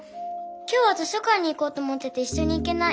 今日は図書館に行こうと思ってていっしょに行けない。